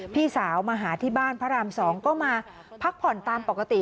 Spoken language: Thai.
พี่สาวมาหาที่บ้านพระราม๒ก็มาพักผ่อนตามปกติ